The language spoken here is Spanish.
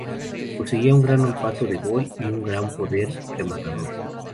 Poseía un gran olfato de gol y un gran poder rematador.